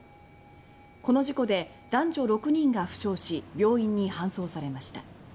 この事故で男女６人が負傷し病院に搬送されました。